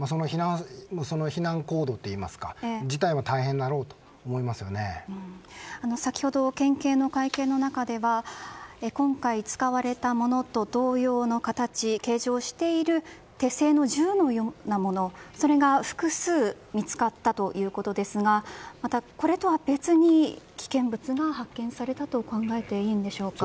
その避難行動といいますかそれ自体も大変だろうと先ほど県警の会見の中では今回使われたものと同様の形形状をしている手製の銃のようなものそれが複数見つかったということですがまたこれとは別に危険物が発見されたと考えていいのでしょうか。